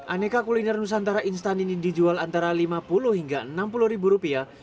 aneka kuliner nusantara instan ini dijual antara lima puluh hingga enam puluh ribu rupiah